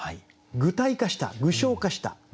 具体化した具象化した。